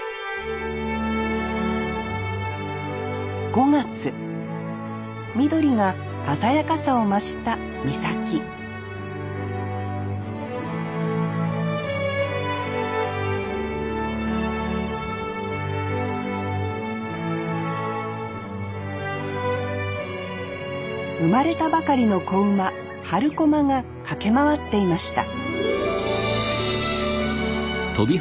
５月緑が鮮やかさを増した岬生まれたばかりの子馬春駒が駆け回っていました